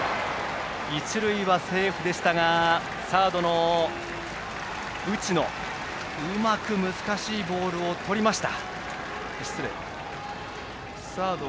一塁はセーフでしたがサードの内田うまく難しいボールをとりました。